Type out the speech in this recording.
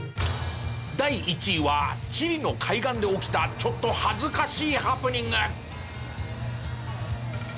第１位はチリの海岸で起きたちょっと恥ずかしいハプニング。